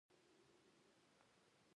د زوکړ ې په اوومه ورځ یې نیکه اوښ حلال کړ.